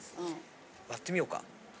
割ってみようか。